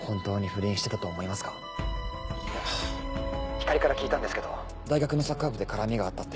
光莉から聞いたんですけど大学のサッカー部で絡みがあったって。